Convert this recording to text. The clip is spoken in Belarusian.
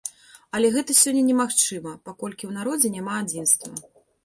Але гэта сёння немагчыма, паколькі ў народзе няма адзінства.